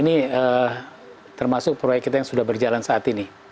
ini termasuk proyek kita yang sudah berjalan saat ini